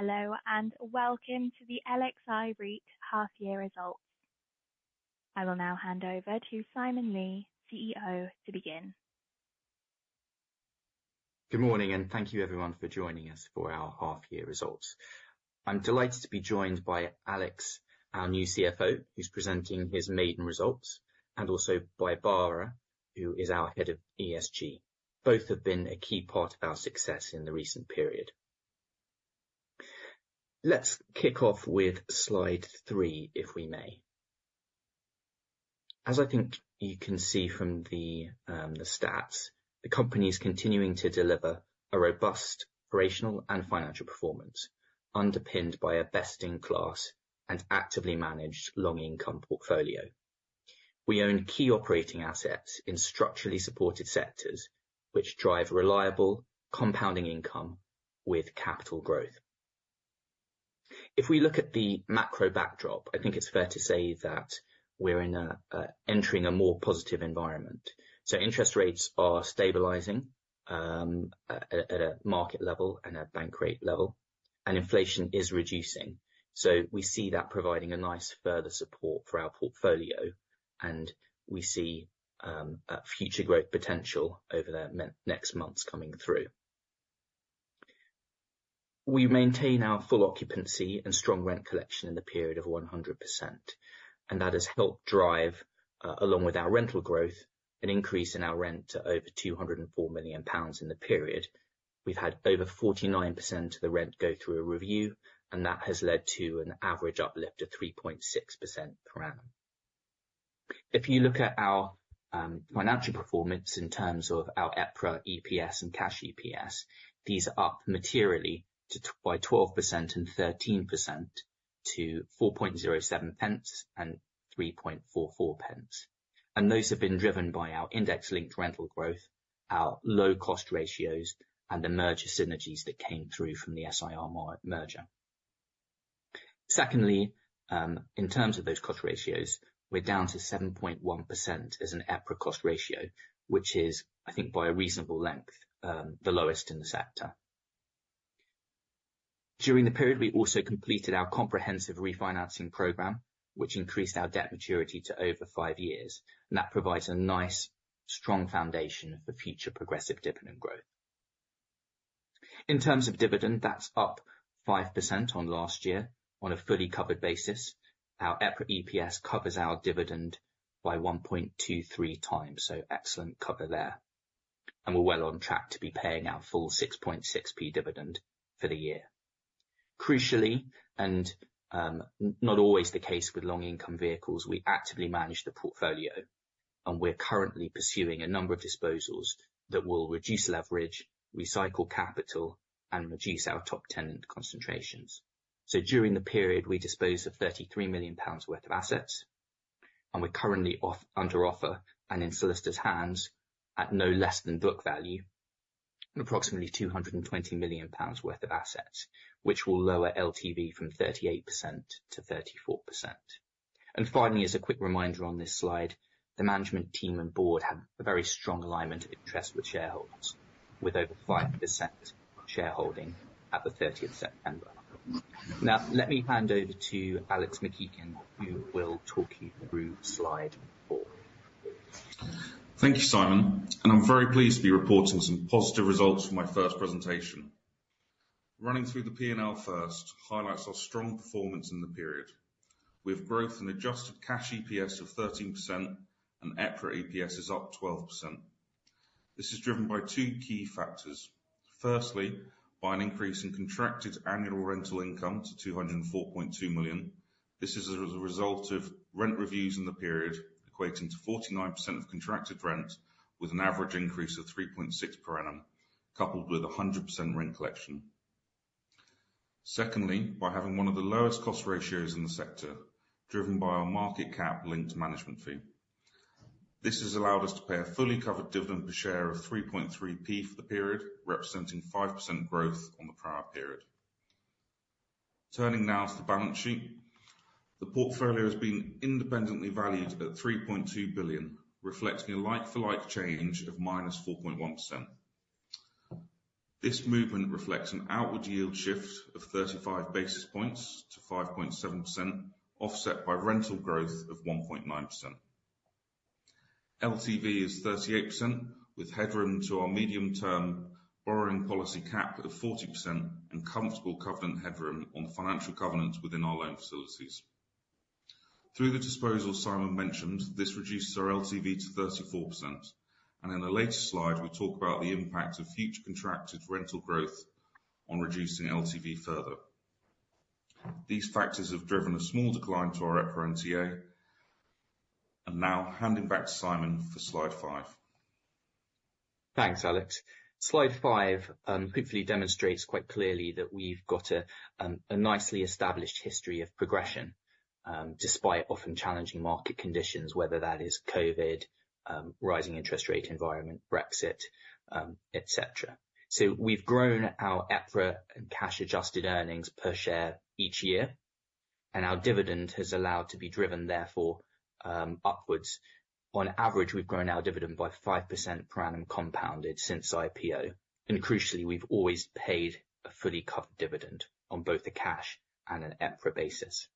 Hello, and welcome to the LXi REIT half year results. I will now hand over to Simon Lee, CEO, to begin. Good morning, and thank you everyone for joining us for our half year results. I'm delighted to be joined by Alex, our new CFO, who's presenting his maiden results, and also by Bora, who is our head of ESG. Both have been a key part of our success in the recent period. Let's kick off with slide three, if we may. As I think you can see from the stats, the company is continuing to deliver a robust operational and financial performance, underpinned by a best-in-class and actively managed long income portfolio. We own key operating assets in structurally supported sectors, which drive reliable compounding income with capital growth. If we look at the macro backdrop, I think it's fair to say that we're entering a more positive environment. So interest rates are stabilizing at a market level and at bank rate level, and inflation is reducing. So we see that providing a nice further support for our portfolio, and we see a future growth potential over the next months coming through. We maintain our full occupancy and strong rent collection in the period of 100%, and that has helped drive, along with our rental growth, an increase in our rent to over 204 million pounds in the period. We've had over 49% of the rent go through a review, and that has led to an average uplift of 3.6% per annum. If you look at our financial performance in terms of our EPRA EPS and cash EPS, these are up materially by 12% and 13% to 4.07p and 3.44p. Those have been driven by our index-linked rental growth, our low-cost ratios, and the merger synergies that came through from the SIR merger. Secondly, in terms of those cost ratios, we're down to 7.1% as an EPRA cost ratio, which is, I think, by a reasonable length, the lowest in the sector. During the period, we also completed our comprehensive refinancing program, which increased our debt maturity to over five years, and that provides a nice, strong foundation for future progressive dividend growth. In terms of dividend, that's up 5% on last year on a fully covered basis. Our EPRA EPS covers our dividend by 1.23x, so excellent cover there. We're well on track to be paying our full 6.6p dividend for the year. Crucially, and not always the case with long income vehicles, we actively manage the portfolio, and we're currently pursuing a number of disposals that will reduce leverage, recycle capital, and reduce our top tenant concentrations. So during the period, we disposed of 33 million pounds worth of assets, and we're currently under offer and in solicitor's hands at no less than book value, and approximately 220 million pounds worth of assets, which will lower LTV from 38%-34%. And finally, as a quick reminder on this slide, the management team and board have a very strong alignment of interest with shareholders, with over 5% shareholding at the thirtieth of September. Now, let me hand over to Alex MacEachin, who will talk you through slide four. Thank you, Simon, and I'm very pleased to be reporting some positive results for my first presentation. Running through the P&L first highlights our strong performance in the period. With growth in adjusted cash EPS of 13% and EPRA EPS is up 12%. This is driven by two key factors. Firstly, by an increase in contracted annual rental income to 204.2 million. This is as a result of rent reviews in the period, equating to 49% of contracted rent, with an average increase of 3.6 per annum, coupled with 100% rent collection. Secondly, by having one of the lowest cost ratios in the sector, driven by our market cap-linked management fee. This has allowed us to pay a fully covered dividend per share of 3.3p for the period, representing 5% growth on the prior period. Turning now to the balance sheet. The portfolio has been independently valued at 3.2 billion, reflecting a like-for-like change of -4.1%. This movement reflects an outward yield shift of 35 basis points to 5.7%, offset by rental growth of 1.9%. LTV is 38%, with headroom to our medium-term borrowing policy cap of 40% and comfortable covenant headroom on financial covenants within our loan facilities. Through the disposal Simon mentioned, this reduces our LTV to 34%, and in a later slide, we'll talk about the impact of future contracted rental growth on reducing LTV further. These factors have driven a small decline to our EPRA NTA. Now handing back to Simon for slide five. Thanks, Alex. Slide five, hopefully demonstrates quite clearly that we've got a nicely established history of progression, despite often challenging market conditions, whether that is Covid, rising interest rate environment, Brexit, et cetera. So we've grown our EPRA and cash-adjusted earnings per share each year.... and our dividend has allowed to be driven therefore, upwards. On average, we've grown our dividend by 5% per annum compounded since IPO, and crucially, we've always paid a fully covered dividend on both the cash and an EPRA basis.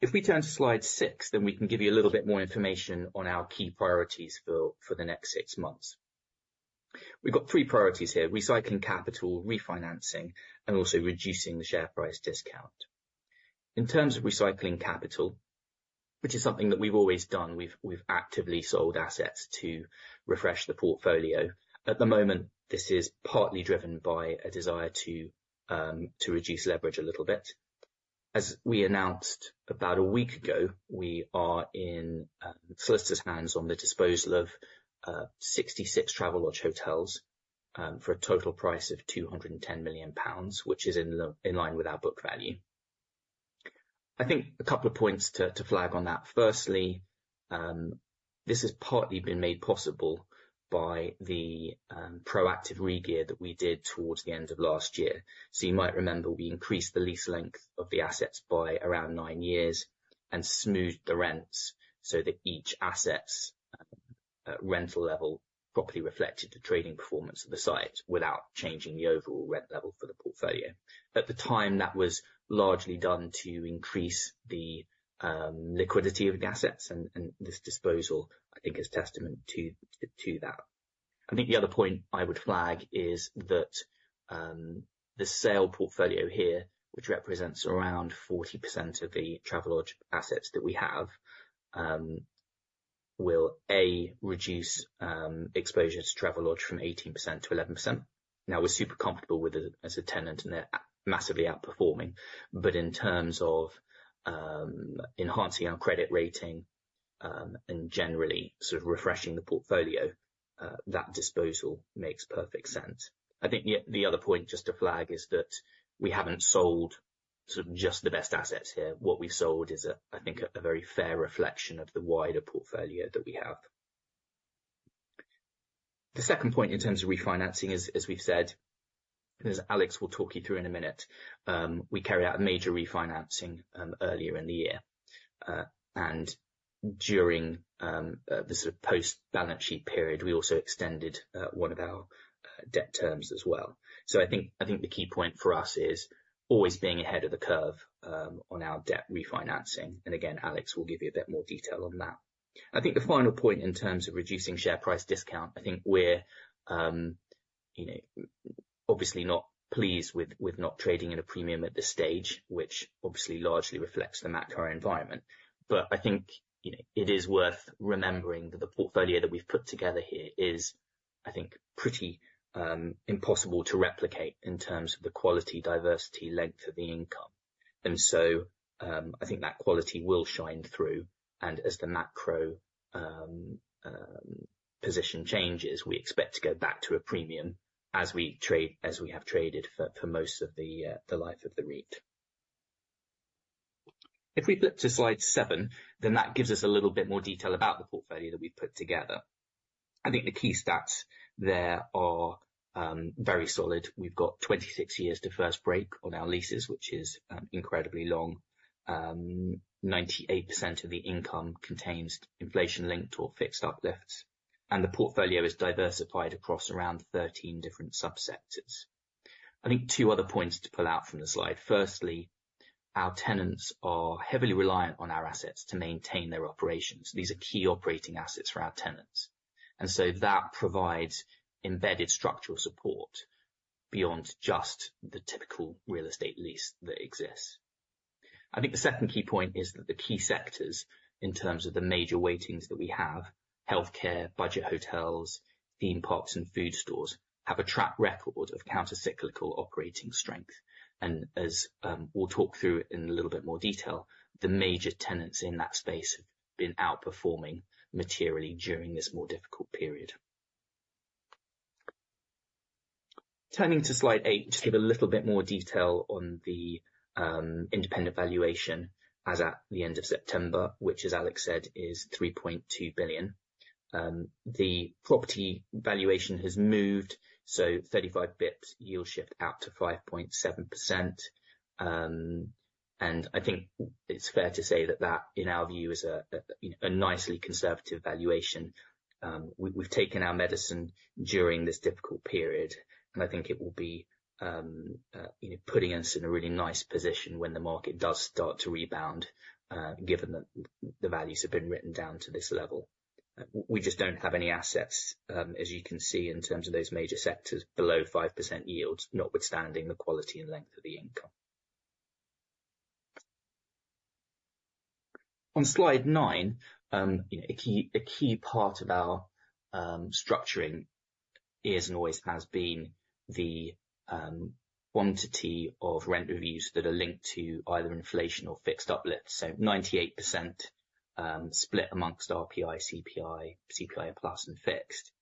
If we turn to slide six, then we can give you a little bit more information on our key priorities for the next six months. We've got three priorities here: recycling capital, refinancing, and also reducing the share price discount. In terms of recycling capital, which is something that we've always done, we've actively sold assets to refresh the portfolio. At the moment, this is partly driven by a desire to reduce leverage a little bit. As we announced about a week ago, we are in solicitor's hands on the disposal of 66 Travelodge hotels for a total price of 210 million pounds, which is in line with our book value. I think a couple of points to flag on that. Firstly, this has partly been made possible by the proactive regear that we did towards the end of last year. So you might remember, we increased the lease length of the assets by around nine years and smoothed the rents so that each asset's rental level properly reflected the trading performance of the site without changing the overall rent level for the portfolio. At the time, that was largely done to increase the liquidity of the assets, and this disposal, I think, is testament to that. I think the other point I would flag is that the sale portfolio here, which represents around 40% of the Travelodge assets that we have, will reduce exposure to Travelodge from 18%-11%. Now, we're super comfortable with it as a tenant, and they're massively outperforming. But in terms of enhancing our credit rating and generally sort of refreshing the portfolio, that disposal makes perfect sense. I think yet, the other point just to flag is that we haven't sold sort of just the best assets here. What we've sold is a, I think, a very fair reflection of the wider portfolio that we have. The second point in terms of refinancing is, as we've said, as Alex will talk you through in a minute, we carry out a major refinancing, earlier in the year. And during, the sort of post-balance sheet period, we also extended, one of our, debt terms as well. So I think, I think the key point for us is always being ahead of the curve, on our debt refinancing. And again, Alex will give you a bit more detail on that. I think the final point in terms of reducing share price discount, I think we're, you know, obviously not pleased with, with not trading at a premium at this stage, which obviously largely reflects the macro environment. But I think, you know, it is worth remembering that the portfolio that we've put together here is, I think, pretty, impossible to replicate in terms of the quality, diversity, length of the income. And so, I think that quality will shine through, and as the macro, position changes, we expect to go back to a premium as we trade, as we have traded for, for most of the, the life of the REIT. If we flip to slide seven, then that gives us a little bit more detail about the portfolio that we've put together. I think the key stats there are, very solid. We've got 26 years to first break on our leases, which is incredibly long. Ninety-eight percent of the income contains inflation-linked or fixed uplifts, and the portfolio is diversified across around 13 different subsectors. I think two other points to pull out from the slide. Firstly, our tenants are heavily reliant on our assets to maintain their operations. These are key operating assets for our tenants, and so that provides embedded structural support beyond just the typical real estate lease that exists. I think the second key point is that the key sectors, in terms of the major weightings that we have, healthcare, budget hotels, theme parks, and food stores, have a track record of countercyclical operating strength. And as we'll talk through in a little bit more detail, the major tenants in that space have been outperforming materially during this more difficult period. Turning to slide eight, just give a little bit more detail on the independent valuation as at the end of September, which, as Alex said, is 3.2 billion. The property valuation has moved, so 35 basis points yield shift out to 5.7%. I think it's fair to say that that, in our view, is a nicely conservative valuation. We, we've taken our medicine during this difficult period, and I think it will be, you know, putting us in a really nice position when the market does start to rebound, given that the values have been written down to this level. We, we just don't have any assets, as you can see, in terms of those major sectors below 5% yields, notwithstanding the quality and length of the income. On slide nine, you know, a key, a key part of our structuring is and always has been the quantity of rent reviews that are linked to either inflation or fixed uplifts. So 98%, split among RPI, CPI, CPI plus, and fixed.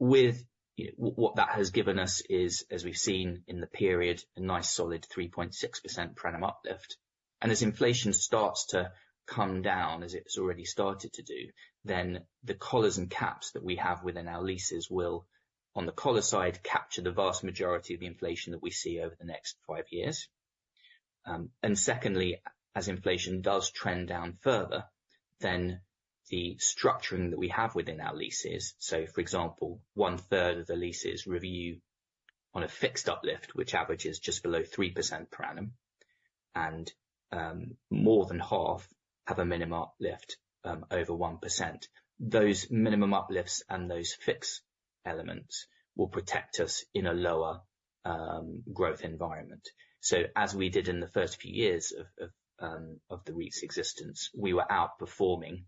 What that has given us is, as we've seen in the period, a nice solid 3.6% per annum uplift. And as inflation starts to come down, as it's already started to do, then the collars and caps that we have within our leases will, on the collar side, capture the vast majority of the inflation that we see over the next five years. And secondly, as inflation does trend down further, then the structuring that we have within our leases, so for example, 1/3 of the leases review on a fixed uplift, which averages just below 3% per annum, and more than half have a minimum uplift over 1%. Those minimum uplifts and those fixed elements will protect us in a lower growth environment. So as we did in the first few years of the REIT's existence, we were outperforming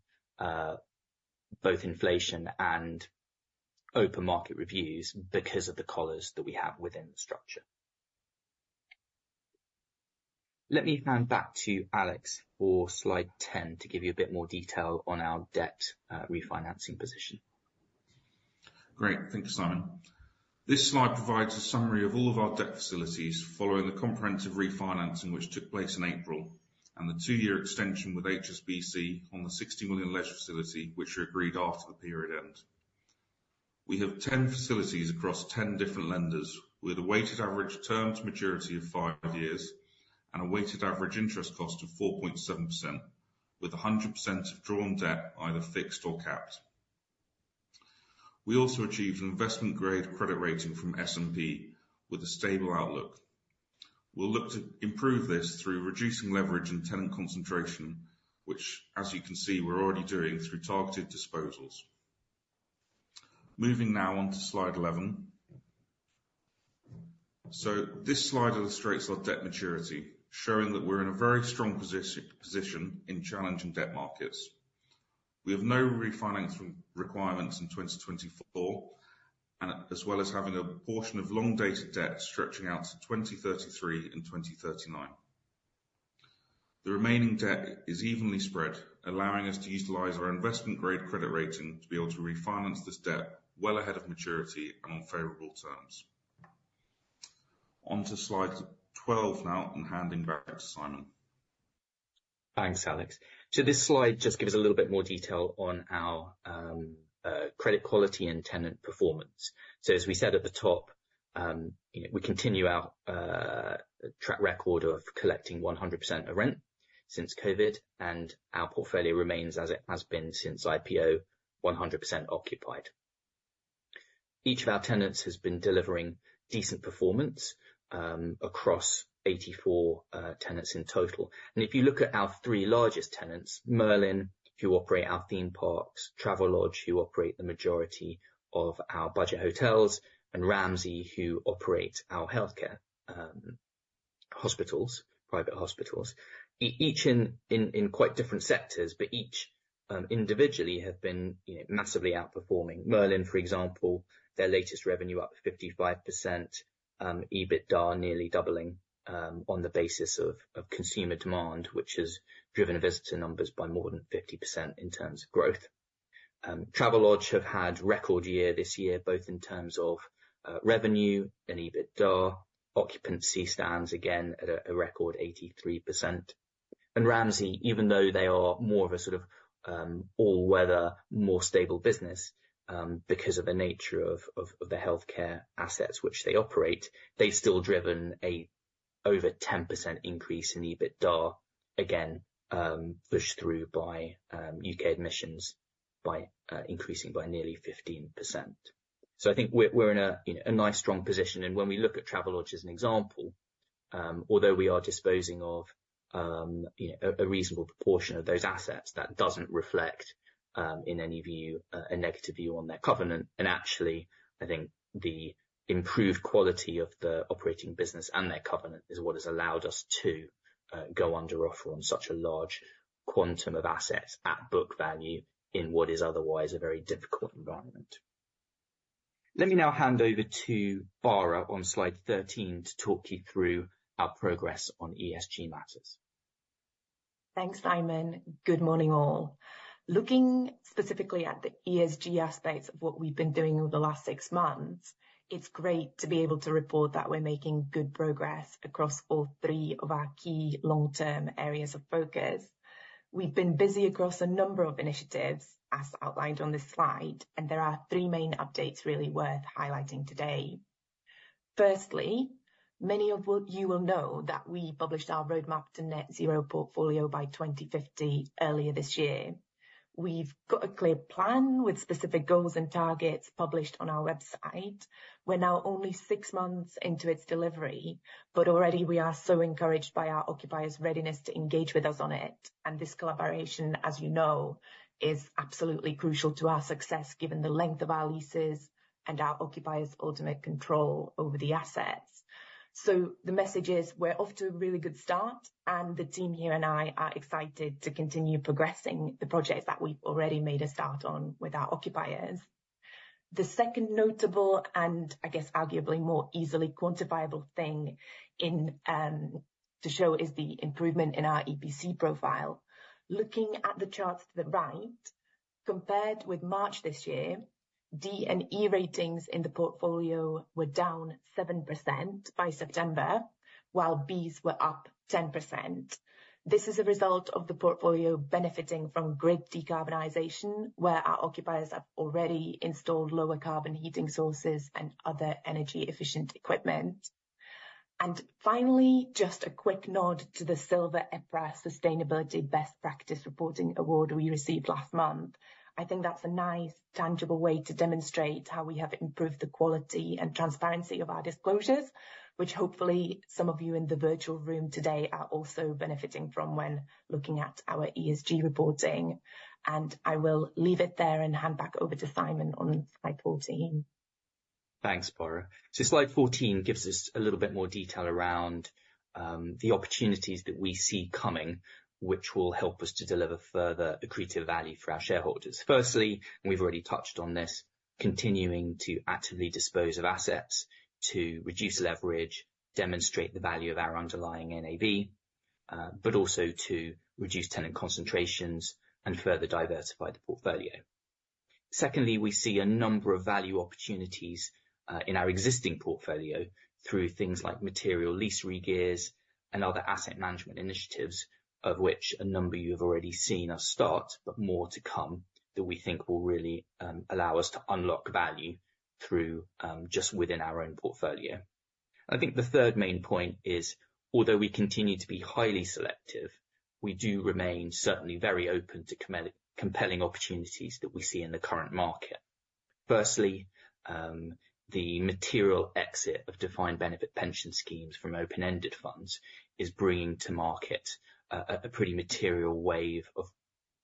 both inflation and open market reviews because of the collars that we have within the structure. Let me hand back to Alex for slide 10, to give you a bit more detail on our debt refinancing position. Great. Thank you, Simon. This slide provides a summary of all of our debt facilities following the comprehensive refinancing, which took place in April, and the two-year extension with HSBC on the 60 million ledger facility, which were agreed after the period end. We have 10 facilities across 10 different lenders, with a weighted average term to maturity of five years and a weighted average interest cost of 4.7%, with 100% of drawn debt, either fixed or capped. We also achieved an investment-grade credit rating from S&P with a stable outlook. We'll look to improve this through reducing leverage and tenant concentration, which, as you can see, we're already doing through targeted disposals. Moving now on to slide 11. So this slide illustrates our debt maturity, showing that we're in a very strong position in challenging debt markets. We have no refinancing requirements in 2024, and as well as having a portion of long-dated debt stretching out to 2033 and 2039. The remaining debt is evenly spread, allowing us to utilize our investment-grade credit rating to be able to refinance this debt well ahead of maturity and on favorable terms. On to slide 12 now and handing back to Simon. Thanks, Alex. So this slide just gives us a little bit more detail on our credit quality and tenant performance. So as we said at the top, you know, we continue our track record of collecting 100% of rent since COVID, and our portfolio remains, as it has been since IPO, 100% occupied. Each of our tenants has been delivering decent performance across 84 tenants in total. And if you look at our three largest tenants, Merlin, who operate our theme parks, Travelodge, who operate the majority of our budget hotels, and Ramsay, who operate our healthcare hospitals, private hospitals, each in quite different sectors, but each individually have been, you know, massively outperforming. Merlin, for example, their latest revenue up 55%, EBITDA nearly doubling, on the basis of consumer demand, which has driven visitor numbers by more than 50% in terms of growth. Travelodge have had record year this year, both in terms of revenue and EBITDA. Occupancy stands again at a record 83%. And Ramsay, even though they are more of a sort of all-weather, more stable business, because of the nature of the healthcare assets which they operate, they've still driven a over 10% increase in EBITDA, again, pushed through by U.K. admissions by increasing by nearly 15%. So I think we're in a nice, strong position, and when we look at Travelodge as an example, although we are disposing of, you know, a reasonable proportion of those assets, that doesn't reflect, in any view, a negative view on their covenant. Actually, I think the improved quality of the operating business and their covenant is what has allowed us to go under offer on such a large quantum of assets at book value in what is otherwise a very difficult environment. Let me now hand over to Bora on slide 13, to talk you through our progress on ESG matters. Thanks, Simon. Good morning, all. Looking specifically at the ESG aspects of what we've been doing over the last six months, it's great to be able to report that we're making good progress across all three of our key long-term areas of focus. We've been busy across a number of initiatives, as outlined on this slide, and there are three main updates really worth highlighting today. Firstly, many of you will know that we published our roadmap to Net Zero portfolio by 2050 earlier this year. We've got a clear plan with specific goals and targets published on our website. We're now only six months into its delivery, but already we are so encouraged by our occupiers' readiness to engage with us on it, and this collaboration, as you know, is absolutely crucial to our success, given the length of our leases and our occupiers' ultimate control over the assets. So the message is, we're off to a really good start, and the team here and I are excited to continue progressing the projects that we've already made a start on with our occupiers. The second notable, and I guess arguably more easily quantifiable thing in, to show is the improvement in our EPC profile. Looking at the chart to the right, compared with March this year, D and E ratings in the portfolio were down 7% by September, while Bs were up 10%. This is a result of the portfolio benefiting from grid decarbonization, where our occupiers have already installed lower carbon heating sources and other energy efficient equipment. And finally, just a quick nod to the Silver EPRA Sustainability Best Practice Reporting Award we received last month. I think that's a nice, tangible way to demonstrate how we have improved the quality and transparency of our disclosures, which hopefully some of you in the virtual room today are also benefiting from when looking at our ESG reporting. And I will leave it there and hand back over to Simon on slide 14. Thanks, Bora. So slide 14 gives us a little bit more detail around the opportunities that we see coming, which will help us to deliver further accretive value for our shareholders. Firstly, we've already touched on this, continuing to actively dispose of assets to reduce leverage, demonstrate the value of our underlying NAV, but also to reduce tenant concentrations and further diversify the portfolio. Secondly, we see a number of value opportunities in our existing portfolio through things like material lease regears and other asset management initiatives, of which a number you have already seen us start, but more to come, that we think will really allow us to unlock value through just within our own portfolio. I think the third main point is, although we continue to be highly selective, we do remain certainly very open to compelling opportunities that we see in the current market. Firstly, the material exit of defined benefit pension schemes from open-ended funds is bringing to market a pretty material wave of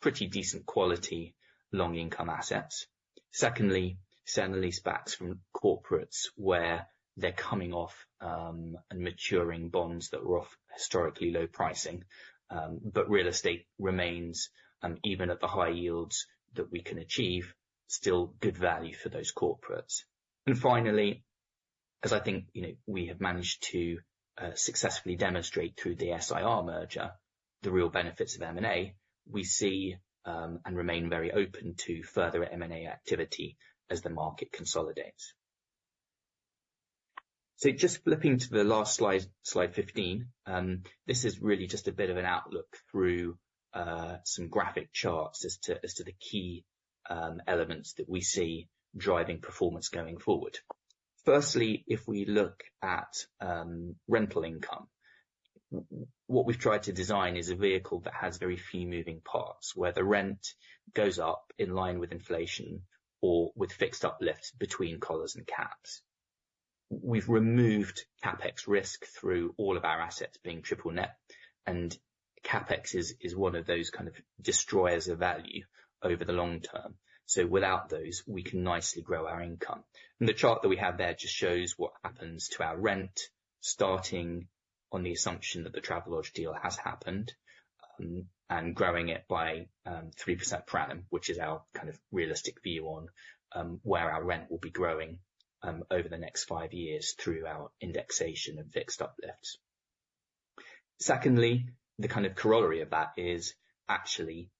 pretty decent quality, long income assets. Secondly, certain lease backs from corporates where they're coming off, and maturing bonds that were off historically low pricing. But real estate remains, even at the high yields that we can achieve, still good value for those corporates. And finally, as I think, you know, we have managed to successfully demonstrate through the SIR merger, the real benefits of M&A, we see, and remain very open to further M&A activity as the market consolidates. So just flipping to the last slide, slide 15. This is really just a bit of an outlook through some graphic charts as to the key elements that we see driving performance going forward. Firstly, if we look at rental income, what we've tried to design is a vehicle that has very few moving parts, where the rent goes up in line with inflation or with fixed uplifts between collars and caps. We've removed CapEx risk through all of our assets being triple net, and CapEx is one of those kind of destroyers of value over the long term. So without those, we can nicely grow our income. The chart that we have there just shows what happens to our rent, starting on the assumption that the Travelodge deal has happened, and growing it by 3% per annum, which is our kind of realistic view on where our rent will be growing over the next five years through our indexation and fixed uplifts. Secondly, the kind of corollary of that is actually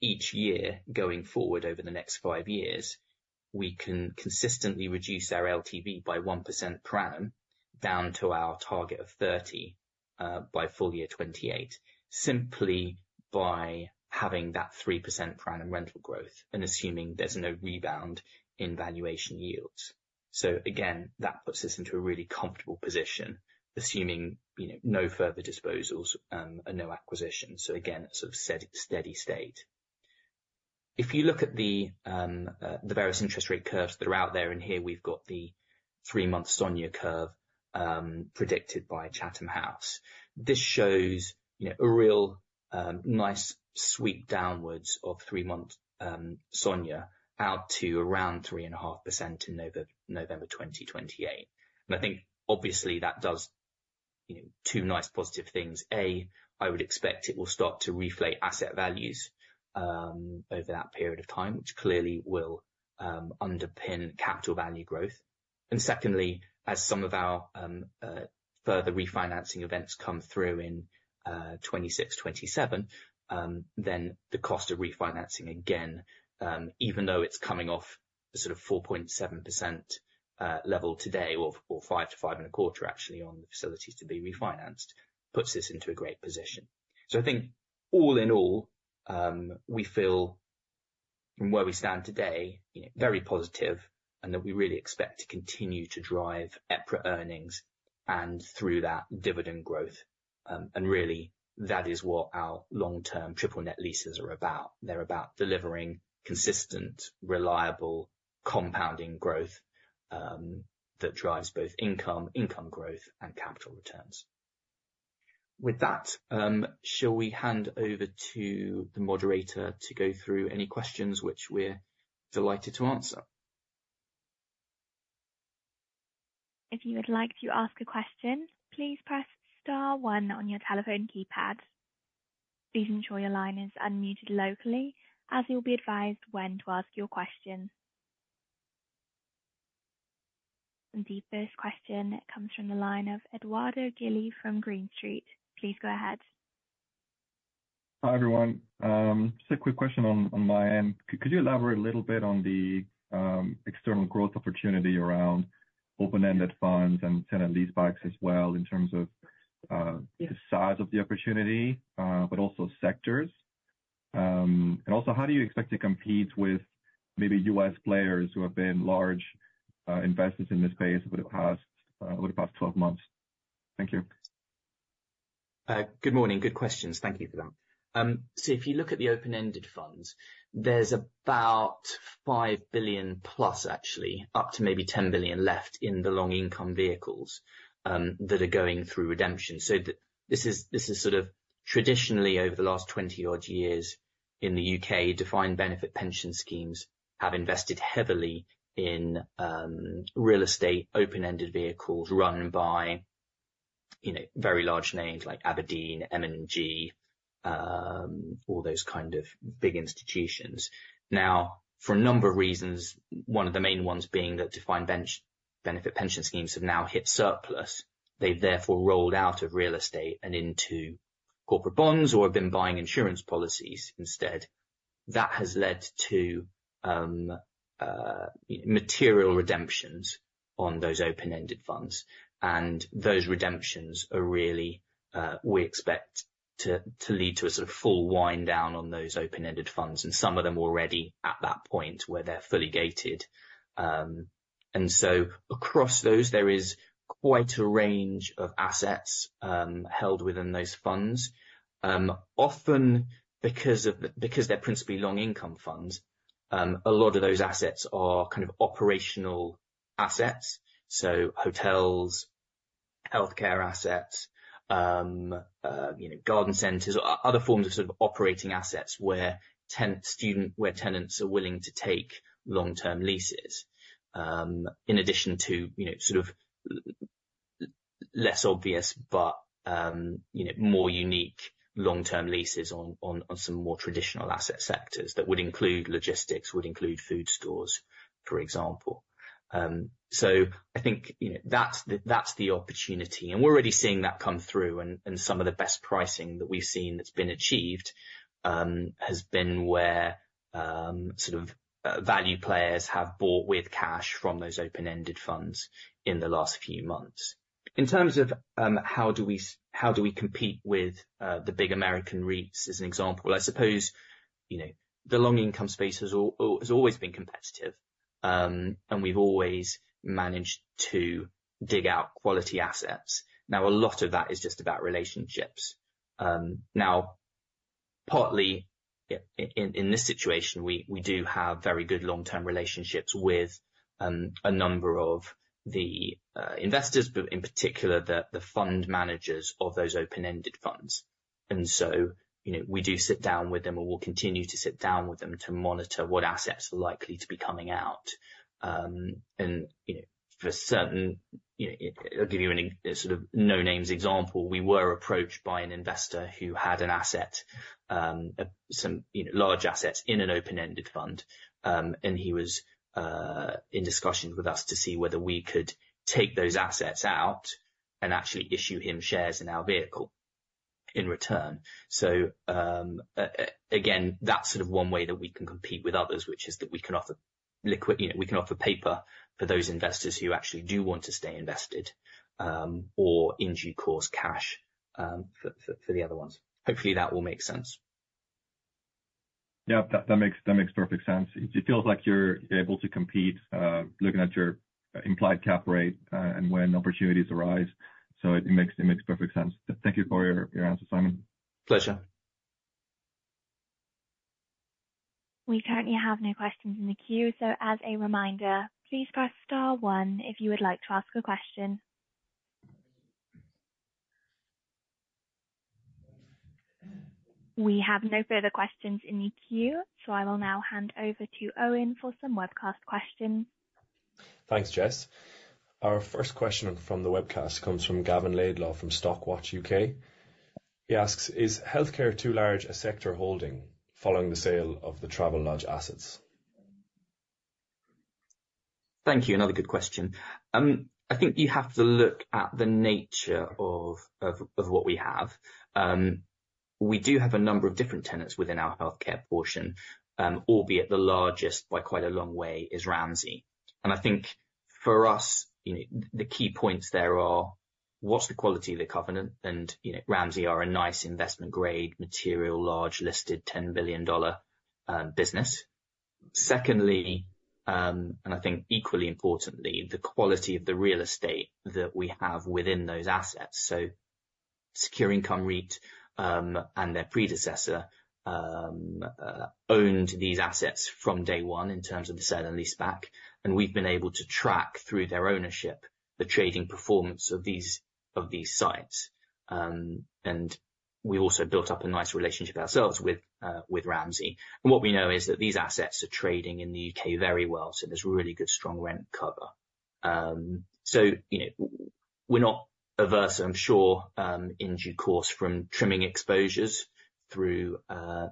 each year, going forward over the next five years, we can consistently reduce our LTV by 1% per annum, down to our target of 30 by full year 2028, simply by having that 3% per annum rental growth and assuming there's no rebound in valuation yields. So again, that puts us into a really comfortable position, assuming you know, no further disposals and no acquisitions. So again, a sort of steady state. If you look at the various interest rate curves that are out there, and here we've got the three-month Sonia curve predicted by Chatham Financial. This shows, you know, a real nice sweep downwards of three-month Sonia out to around 3.5% in November 2028. And I think obviously that does, you know, two nice positive things. A, I would expect it will start to reflate asset values over that period of time, which clearly will underpin capital value growth. And secondly, as some of our further refinancing events come through in 2026, 2027, then the cost of refinancing again, even though it's coming off a sort of 4.7% level today, or four or five to 5.25%, actually, on the facilities to be refinanced, puts this into a great position. So I think all in all, we feel from where we stand today, you know, very positive and that we really expect to continue to drive EPRA earnings and through that, dividend growth. And really, that is what our long-term triple net leases are about. They're about delivering consistent, reliable, compounding growth, that drives both income, income growth and capital returns. With that, shall we hand over to the moderator to go through any questions, which we're delighted to answer? If you would like to ask a question, please press star one on your telephone keypad. Please ensure your line is unmuted locally as you'll be advised when to ask your question. And the first question comes from the line of Edoardo Gili from Green Street. Please go ahead. Hi, everyone. Just a quick question on my end. Could you elaborate a little bit on the external growth opportunity around open-ended funds and tenant leasebacks as well, in terms of-Yeah, the size of the opportunity, but also sectors? And also, how do you expect to compete with maybe U.S. players who have been large, investors in this space over the past 12 months? Thank you. Good morning. Good questions. Thank you for them. So if you look at the open-ended funds, there's about 5 billion plus, actually, up to maybe 10 billion left in the long income vehicles that are going through redemption. So this is, this is sort of traditionally over the last 20-odd years in the UK, defined benefit pension schemes have invested heavily in real estate, open-ended vehicles run by, you know, very large names like Aberdeen, M&G, all those kind of big institutions. Now, for a number of reasons, one of the main ones being that defined benefit pension schemes have now hit surplus. They've therefore rolled out of real estate and into corporate bonds or have been buying insurance policies instead. That has led to material redemptions on those open-ended funds, and those redemptions are really, we expect to lead to a sort of full wind down on those open-ended funds, and some of them already at that point where they're fully gated. And so across those, there is quite a range of assets held within those funds. Often because of the, because they're principally long income funds, a lot of those assets are kind of operational assets, so hotels, healthcare assets, you know, garden centers, other forms of sort of operating assets where tenants are willing to take long-term leases. In addition to, you know, sort of less obvious, but, you know, more unique long-term leases on some more traditional asset sectors. That would include logistics, would include food stores, for example. So I think, you know, that's the, that's the opportunity, and we're already seeing that come through and, and some of the best pricing that we've seen that's been achieved, has been where, sort of, value players have bought with cash from those open-ended funds in the last few months. In terms of, how do we compete with, the big American REITs, as an example? I suppose, you know, the long income space has always been competitive, and we've always managed to dig out quality assets. Now, a lot of that is just about relationships. Now, partly in this situation, we do have very good long-term relationships with a number of the investors, but in particular, the fund managers of those open-ended funds. And so, you know, we do sit down with them, or we'll continue to sit down with them to monitor what assets are likely to be coming out. And, you know, for certain, you know, I'll give you a sort of no-names example. We were approached by an investor who had some large assets in an open-ended fund. And he was in discussions with us to see whether we could take those assets out and actually issue him shares in our vehicle in return. Again, that's sort of one way that we can compete with others, which is that we can offer liquid. You know, we can offer paper for those investors who actually do want to stay invested, or in due course, cash, for the other ones. Hopefully, that will make sense. Yeah, that makes perfect sense. It feels like you're able to compete, looking at your implied cap rate, and when opportunities arise, so it makes perfect sense. Thank you for your answer, Simon. Pleasure. We currently have no questions in the queue, so as a reminder, please press star one if you would like to ask a question. We have no further questions in the queue, so I will now hand over to Owen for some webcast questions. Thanks, Jess. Our first question from the webcast comes from Gavin Laidlaw, from Stockwatch UK. He asks: Is healthcare too large a sector holding following the sale of the Travelodge assets? Thank you. Another good question. I think you have to look at the nature of what we have. We do have a number of different tenants within our healthcare portion, albeit the largest by quite a long way, is Ramsay. And I think for us, you know, the key points there are, what's the quality of the covenant? And, you know, Ramsay are a nice investment grade material, large-listed, $10 billion business. Secondly, and I think equally importantly, the quality of the real estate that we have within those assets. So Secure Income REIT and their predecessor owned these assets from day one in terms of the sale and leaseback, and we've been able to track through their ownership, the trading performance of these sites. And we also built up a nice relationship ourselves with Ramsay. And what we know is that these assets are trading in the UK very well, so there's really good, strong rent cover. So, you know, we're not averse, I'm sure, in due course, from trimming exposures through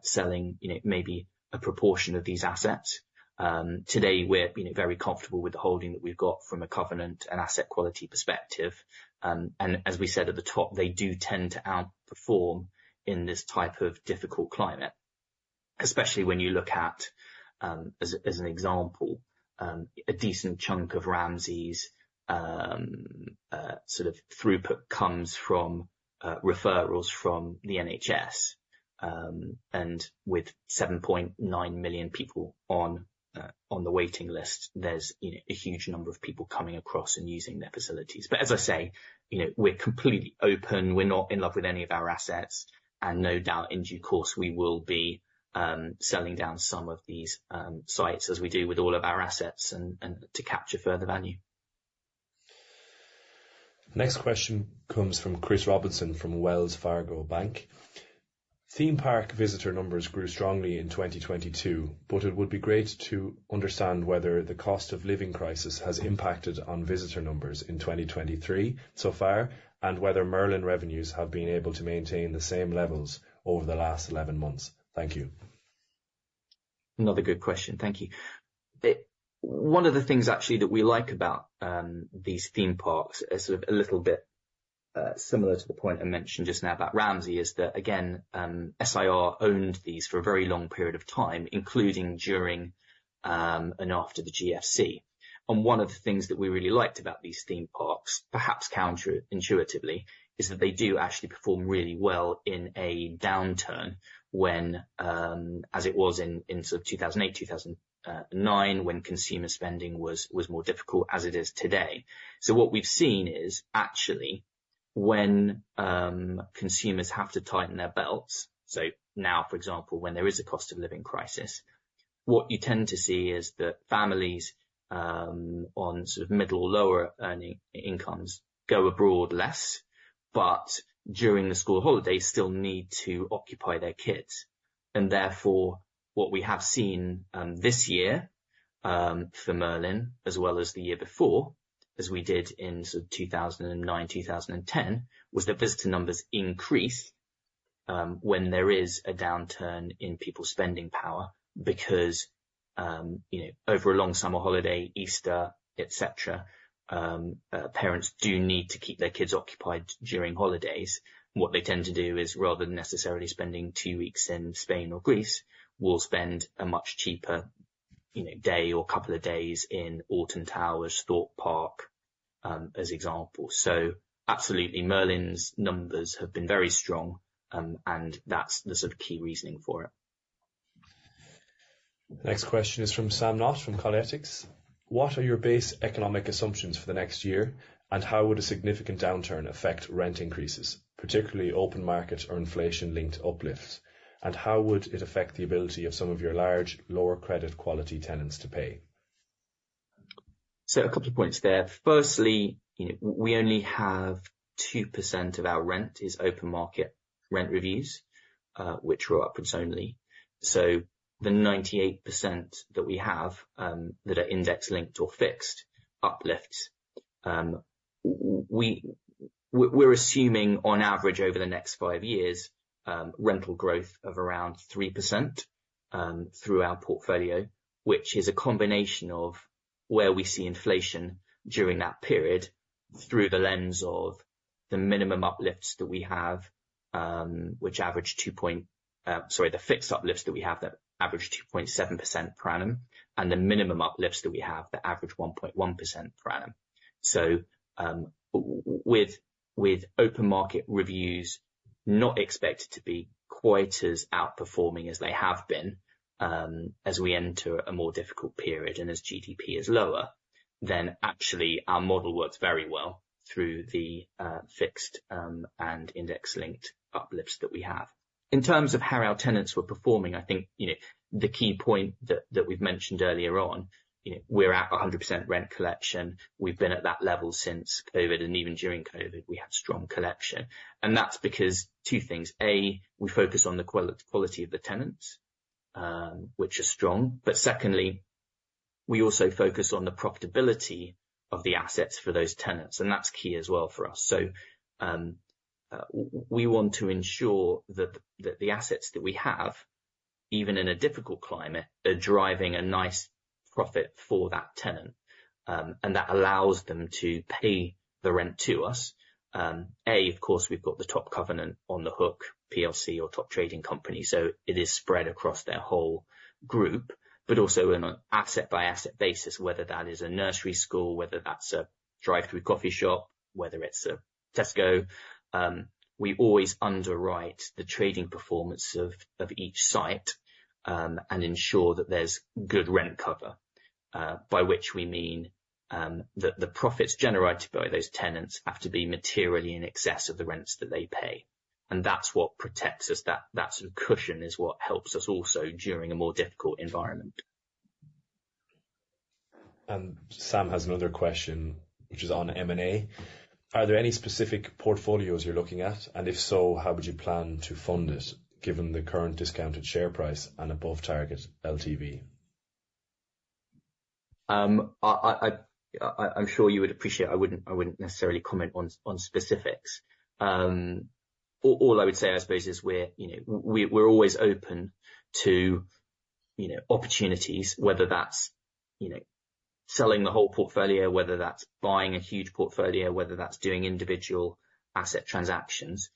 selling, you know, maybe a proportion of these assets. Today, we're, you know, very comfortable with the holding that we've got from a covenant and asset quality perspective. And as we said at the top, they do tend to outperform in this type of difficult climate, especially when you look at, as an example, a decent chunk of Ramsay's sort of throughput comes from referrals from the NHS. And with 7.9 million people on the waiting list, there's, you know, a huge number of people coming across and using their facilities. But as I say, you know, we're completely open. We're not in love with any of our assets, and no doubt, in due course, we will be selling down some of these sites, as we do with all of our assets and to capture further value. Next question comes from Chris Robinson, from Wells Fargo Bank: Theme park visitor numbers grew strongly in 2022, but it would be great to understand whether the cost of living crisis has impacted on visitor numbers in 2023 so far, and whether Merlin revenues have been able to maintain the same levels over the last 11 months. Thank you. Another good question. Thank you. One of the things actually that we like about these theme parks is sort of a little bit similar to the point I mentioned just now about Ramsay, is that, again, SIR owned these for a very long period of time, including during and after the GFC. And one of the things that we really liked about these theme parks, perhaps counterintuitively, is that they do actually perform really well in a downturn, when, as it was in, in sort of 2008, 2009, when consumer spending was, was more difficult, as it is today. So what we've seen is actually, when consumers have to tighten their belts, so now, for example, when there is a cost of living crisis, what you tend to see is that families, on sort of middle, lower-earning incomes, go abroad less, but during the school holiday, still need to occupy their kids. And therefore, what we have seen, this year, for Merlin, as well as the year before, as we did in sort of 2009, 2010, was that visitor numbers increase, when there is a downturn in people's spending power because, you know, over a long summer holiday, Easter, et cetera, parents do need to keep their kids occupied during holidays. What they tend to do is, rather than necessarily spending two weeks in Spain or Greece, will spend a much cheaper, you know, day or couple of days in Alton Towers, Thorpe Park, as examples. So absolutely, Merlin's numbers have been very strong, and that's the sort of key reasoning for it. Next question is from Sam Knott, from Kinetic Partners: What are your base economic assumptions for the next year? And how would a significant downturn affect rent increases, particularly open market or inflation-linked uplifts? And how would it affect the ability of some of your large, lower credit quality tenants to pay? So a couple of points there. Firstly, you know, we only have 2% of our rent is open market rent reviews, which were upwards only. So the 98% that we have, that are index-linked or fixed uplifts, we, we're assuming on average over the next five years, rental growth of around 3%, through our portfolio. Which is a combination of where we see inflation during that period, through the lens of the minimum uplifts that we have, which average two point. Sorry, the fixed uplifts that we have, that average 2.7% per annum, and the minimum uplifts that we have, that average 1.1% per annum. So, with open market reviews, not expected to be quite as outperforming as they have been, as we enter a more difficult period and as GDP is lower, then actually, our model works very well through the fixed and index-linked uplifts that we have. In terms of how our tenants were performing, I think, you know, the key point that we've mentioned earlier on, you know, we're at 100% rent collection. We've been at that level since COVID, and even during COVID, we had strong collection. That's because two things: A, we focus on the quality of the tenants, which is strong. But secondly, we also focus on the profitability of the assets for those tenants, and that's key as well for us. So, we want to ensure that the assets that we have, even in a difficult climate, are driving a nice profit for that tenant. And that allows them to pay the rent to us. Of course, we've got the top covenant on the hook, PLC or top trading company, so it is spread across their whole group. But also on an asset-by-asset basis, whether that is a nursery school, whether that's a drive-through coffee shop, whether it's a Tesco, we always underwrite the trading performance of each site, and ensure that there's good rent cover. By which we mean, that the profits generated by those tenants have to be materially in excess of the rents that they pay. And that's what protects us. That sort of cushion is what helps us also during a more difficult environment. Sam has another question, which is on M&A: Are there any specific portfolios you're looking at? And if so, how would you plan to fund it, given the current discounted share price and above target LTV? I'm sure you would appreciate, I wouldn't necessarily comment on specifics. All I would say, I suppose, is we're, you know, we're always open to, you know, opportunities, whether that's, you know, selling the whole portfolio, whether that's buying a huge portfolio, whether that's doing individual asset transactions.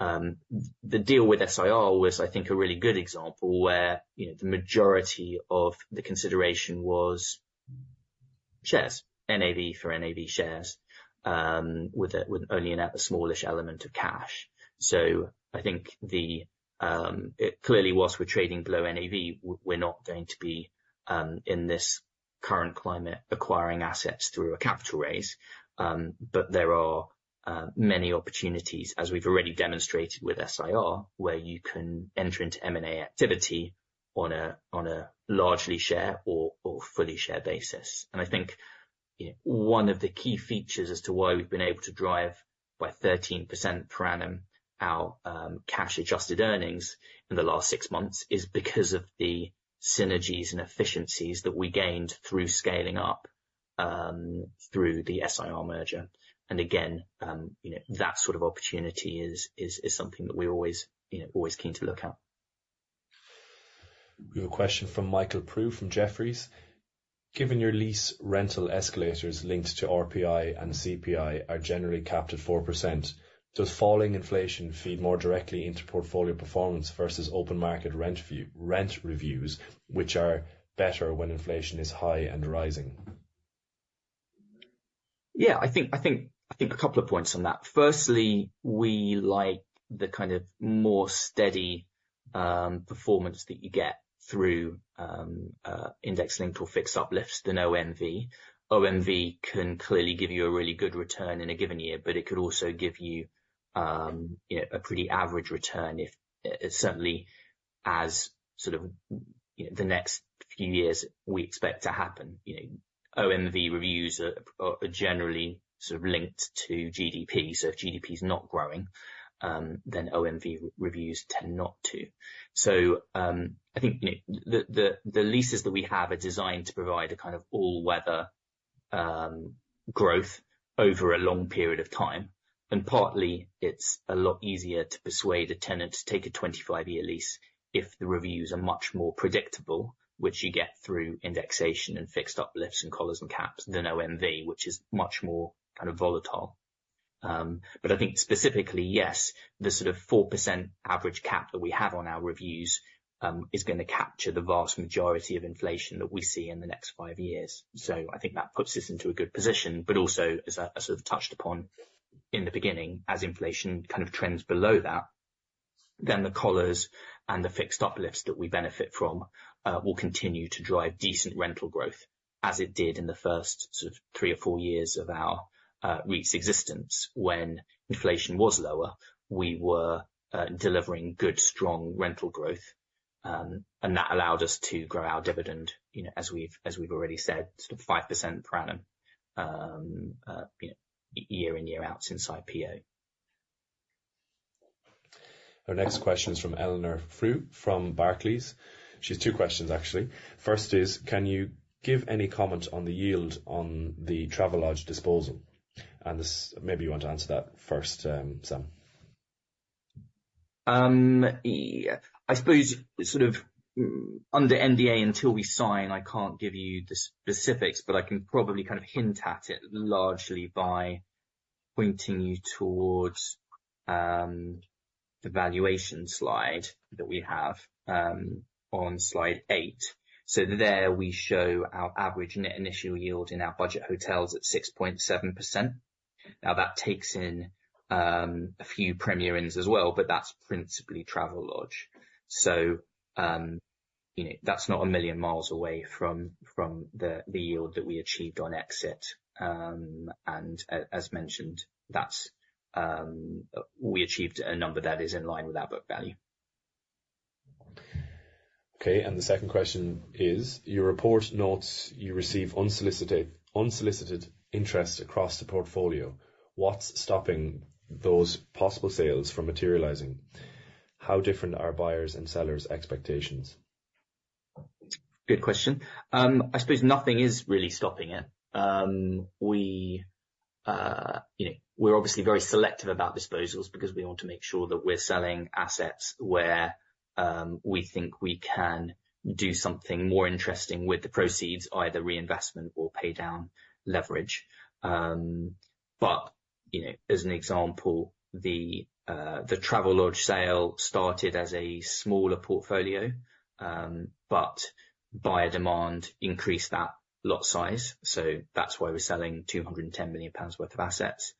The deal with SIR was, I think, a really good example where, you know, the majority of the consideration was shares, NAV for NAV shares, with only a smallish element of cash. So I think clearly, while we're trading below NAV, we're not going to be, in this current climate, acquiring assets through a capital raise. But there are many opportunities, as we've already demonstrated with SIR, where you can enter into M&A activity on a largely share or fully share basis. And I think, you know, one of the key features as to why we've been able to drive by 13% per annum our cash-adjusted earnings in the last six months, is because of the synergies and efficiencies that we gained through scaling up through the SIR merger. And again, you know, that sort of opportunity is something that we're always, you know, always keen to look at. We have a question from Michael Prew, from Jefferies: Given your lease rental escalators linked to RPI and CPI are generally capped at 4%, does falling inflation feed more directly into portfolio performance versus open market rent view-- rent reviews, which are better when inflation is high and rising? Yeah, I think a couple of points on that. Firstly, we like the kind of more steady performance that you get through index linked or fixed uplifts than OMV. OMV can clearly give you a really good return in a given year, but it could also give you, you know, a pretty average return if certainly as sort of, you know, the next few years we expect to happen. You know, OMV reviews are generally sort of linked to GDP. So if GDP is not growing, then OMV reviews tend not to. I think, you know, the leases that we have are designed to provide a kind of all-weather growth over a long period of time, and partly, it's a lot easier to persuade a tenant to take a 25-year lease if the reviews are much more predictable, which you get through indexation and fixed uplifts and collars and caps, than OMV, which is much more kind of volatile. But I think specifically, yes, the sort of 4% average cap that we have on our reviews is gonna capture the vast majority of inflation that we see in the next five years. So I think that puts us into a good position, but also as I, I sort of touched upon in the beginning, as inflation kind of trends below that, then the collars and the fixed uplifts that we benefit from, will continue to drive decent rental growth, as it did in the first sort of three or four years of our REIT's existence. When inflation was lower, we were delivering good, strong rental growth. And that allowed us to grow our dividend, you know, as we've, as we've already said, sort of 5% per annum, year in, year out since IPO. Our next question is from Eleanor Frew, from Barclays. She has two questions, actually. First is: Can you give any comment on the yield on the Travelodge disposal? And this, maybe you want to answer that first, Sam. Yeah, I suppose sort of, under NDA, until we sign, I can't give you the specifics, but I can probably kind of hint at it, largely by pointing you towards the valuation slide that we have on slide eight. So there, we show our average net initial yield in our budget hotels at 6.7%. Now, that takes in a few Premier Inns as well, but that's principally Travelodge. So, you know, that's not a million miles away from the yield that we achieved on exit. And as mentioned, we achieved a number that is in line with our book value. Okay, the second question is: Your report notes you receive unsolicited interests across the portfolio. What's stopping those possible sales from materializing? How different are buyers' and sellers' expectations? Good question. I suppose nothing is really stopping it. We, you know, we're obviously very selective about disposals because we want to make sure that we're selling assets where we think we can do something more interesting with the proceeds, either reinvestment or pay down leverage. But, you know, as an example, the Travelodge sale started as a smaller portfolio, but buyer demand increased that lot size, so that's why we're selling 210 million pounds worth of assets.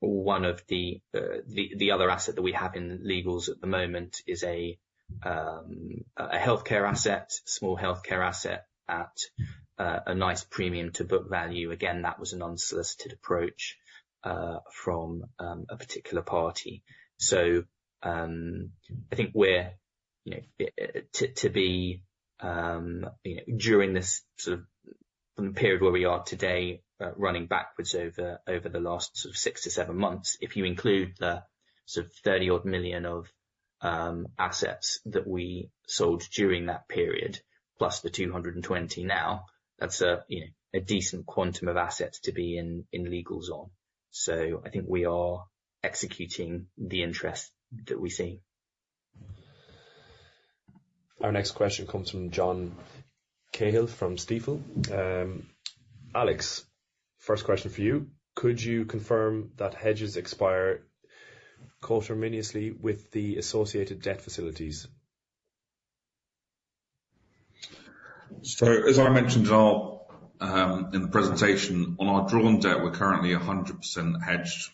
One of the other assets that we have in legals at the moment is a small healthcare asset at a nice premium to book value. Again, that was an unsolicited approach from a particular party. So, I think we're, you know, to be during this sort of from the period where we are today, running backwards over the last sort of six-seven months, if you include the sort of 30-odd million of assets that we sold during that period, plus the 220 million now, that's a, you know, a decent quantum of assets to be in legal zone. So I think we are executing the interest that we see. Our next question comes from John Cahill from Stifel. Alex, first question for you: Could you confirm that hedges expire co-terminously with the associated debt facilities? So, as I mentioned, in the presentation, on our drawn debt, we're currently 100% hedged.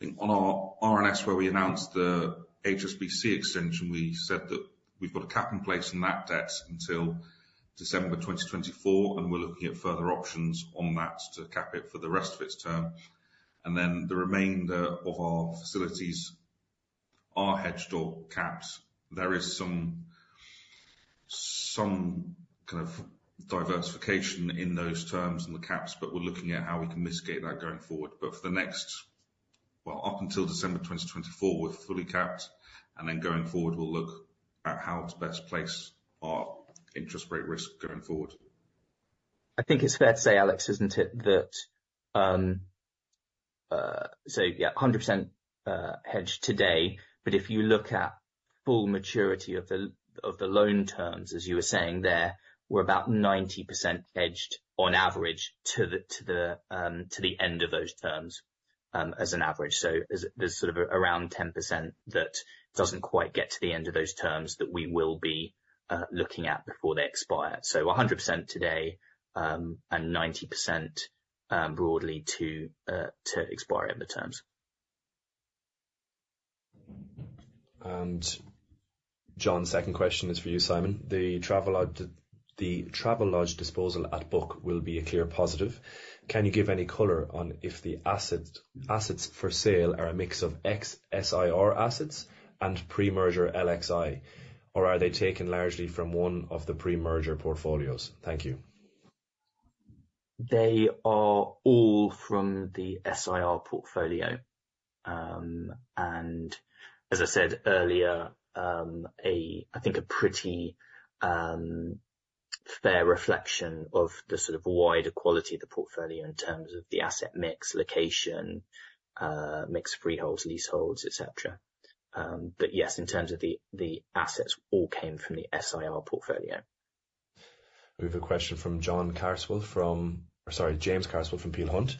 I think on our RNS, where we announced the HSBC extension, we said that we've got a cap in place on that debt until December 2024, and we're looking at further options on that to cap it for the rest of its term. And then the remainder of our facilities are hedged or capped. There is some kind of diversification in those terms and the caps, but we're looking at how we can mitigate that going forward. Well, up until December 2024, we're fully capped, and then going forward, we'll look at how to best place our interest rate risk going forward. I think it's fair to say, Alex, isn't it? That, so yeah, 100% hedged today, but if you look at full maturity of the, of the loan terms, as you were saying there, we're about 90% hedged on average to the, to the, to the end of those terms, as an average. So there's, there's sort of around 10% that doesn't quite get to the end of those terms that we will be, looking at before they expire. So 100% today, and 90%, broadly to, to expire in the terms. John's second question is for you, Simon. The Travelodge, the Travelodge disposal at book will be a clear positive. Can you give any color on if the asset, assets for sale are a mix of ex-SIR assets and pre-merger LXI? Or are they taken largely from one of the pre-merger portfolios? Thank you. They are all from the SIR portfolio. As I said earlier, I think a pretty fair reflection of the sort of wider quality of the portfolio in terms of the asset mix, location, mixed freeholds, leaseholds, et cetera. Yes, in terms of the assets all came from the SIR portfolio. We have a question from James Carswell from Peel Hunt.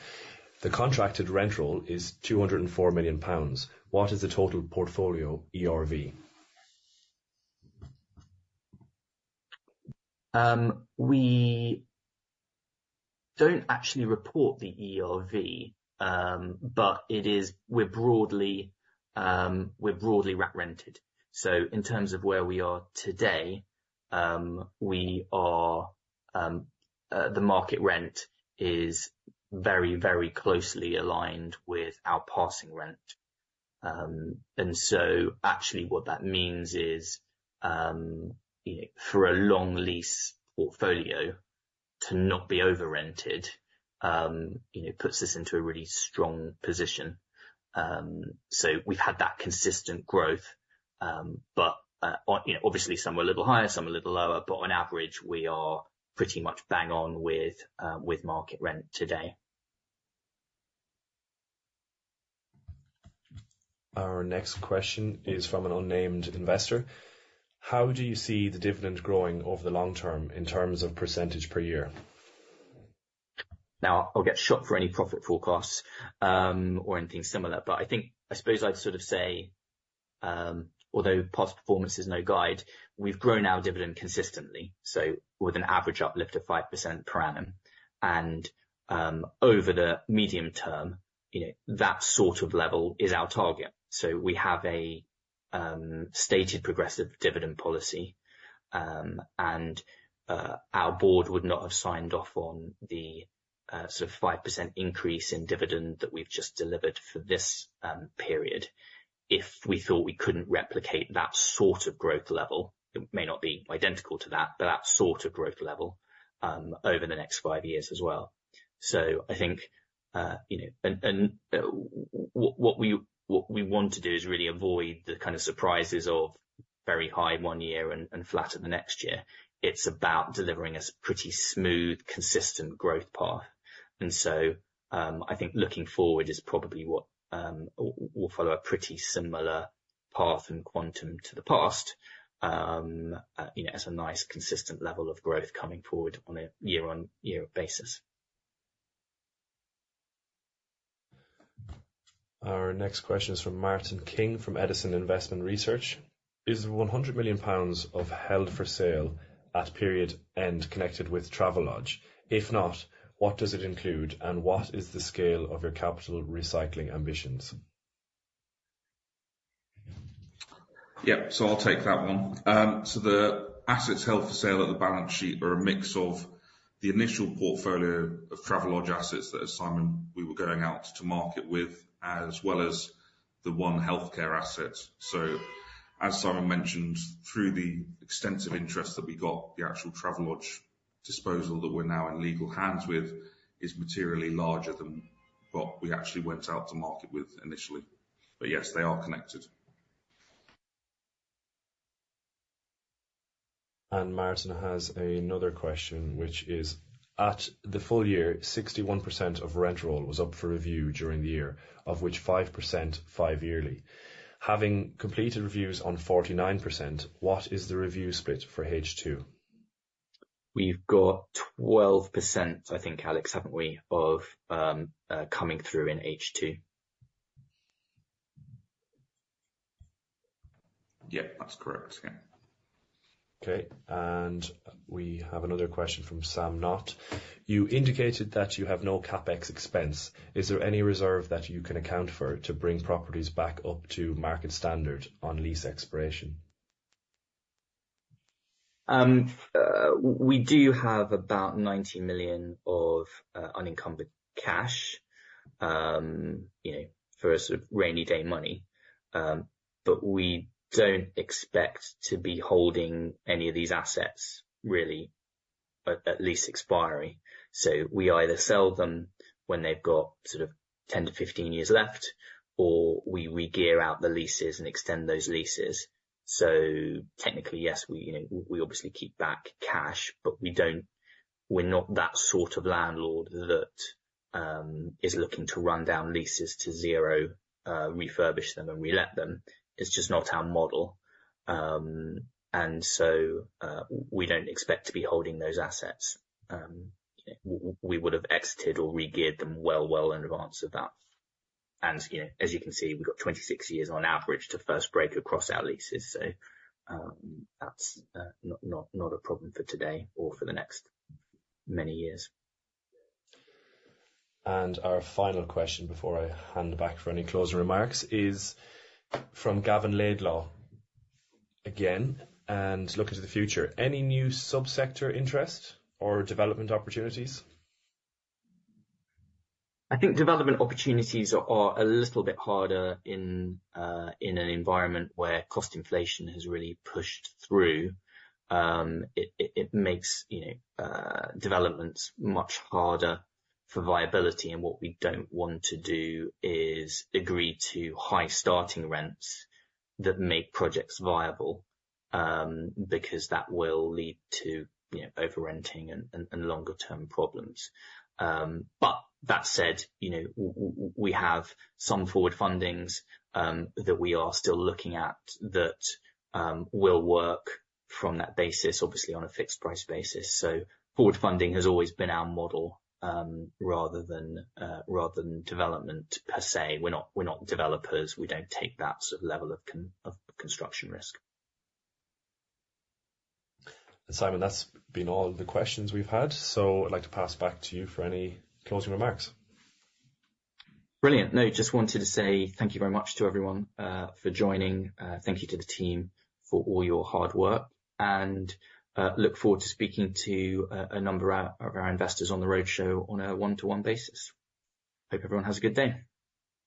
The contracted rental is 204 million pounds. What is the total portfolio ERV? We don't actually report the ERV, but it is—we're broadly, we're broadly rack rented. So in terms of where we are today, we are, the market rent is very, very closely aligned with our passing rent. And so actually what that means is, you know, for a long lease portfolio to not be over-rented, you know, puts us into a really strong position. So we've had that consistent growth, but, you know, obviously some are a little higher, some a little lower, but on average, we are pretty much bang on with, with market rent today. Our next question is from an unnamed investor. How do you see the dividend growing over the long term in terms of % per year? Now, I'll get shot for any profit forecasts, or anything similar, but I think I suppose I'd sort of say, although past performance is no guide, we've grown our dividend consistently, so with an average uplift of 5% per annum. Over the medium term, you know, that sort of level is our target. So we have a stated progressive dividend policy, and our board would not have signed off on the sort of 5% increase in dividend that we've just delivered for this period if we thought we couldn't replicate that sort of growth level. It may not be identical to that, but that sort of growth level over the next five years as well. So I think, you know, and what we want to do is really avoid the kind of surprises of very high one year and flatter the next year. It's about delivering a pretty smooth, consistent growth path. So I think looking forward is probably what we'll follow a pretty similar path and quantum to the past, you know, as a nice, consistent level of growth coming forward on a year-over-year basis. Our next question is from Martin King, from Edison Investment Research: Is the 100 million pounds of held for sale at period end connected with Travelodge? If not, what does it include, and what is the scale of your capital recycling ambitions? Yeah, so I'll take that one. So the assets held for sale at the balance sheet are a mix of the initial portfolio of Travelodge assets that Simon, we were going out to market with, as well as the one healthcare asset. So as Simon mentioned, through the extensive interest that we got, the actual Travelodge disposal that we're now in legal hands with is materially larger than what we actually went out to market with initially. But yes, they are connected. Martin has another question which is: At the full year, 61% of rent roll was up for review during the year, of which 5% five yearly. Having completed reviews on 49%, what is the review split for H2? We've got 12%, I think, Alex, haven't we, of, coming through in H2? Yep, that's correct. Yeah. Okay, and we have another question from Sam Knott. You indicated that you have no CapEx expense. Is there any reserve that you can account for to bring properties back up to market standard on lease expiration? We do have about 90 million of unencumbered cash, you know, for a sort of rainy day money. But we don't expect to be holding any of these assets, really, at lease expiry. So we either sell them when they've got sort of 10-15 years left, or we gear out the leases and extend those leases. So technically, yes, we, you know, we obviously keep back cash, but we don't-- We're not that sort of landlord that is looking to run down leases to zero, refurbish them and re-let them. It's just not our model, and so, we don't expect to be holding those assets. We would have exited or regeared them well, well in advance of that. You know, as you can see, we've got 26 years on average to first break across our leases. That's not a problem for today or for the next many years. Our final question, before I hand it back for any closing remarks, is from Gavin Laidlaw. Again, and looking to the future, any new subsector interest or development opportunities? I think development opportunities are a little bit harder in an environment where cost inflation has really pushed through. It makes, you know, developments much harder for viability. And what we don't want to do is agree to high starting rents that make projects viable, because that will lead to, you know, overrenting and longer term problems. But that said, you know, we have some forward fundings that we are still looking at, that will work from that basis, obviously on a fixed price basis. So forward funding has always been our model, rather than development per se. We're not developers, we don't take that sort of level of construction risk. Simon, that's been all the questions we've had, so I'd like to pass back to you for any closing remarks. Brilliant. No, just wanted to say thank you very much to everyone for joining. Thank you to the team for all your hard work, and look forward to speaking to a number of our investors on the roadshow on a one-to-one basis. Hope everyone has a good day.